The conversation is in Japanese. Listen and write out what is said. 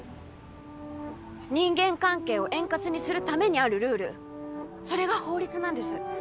人間関係を円滑にするためにあるルールそれが法律なんです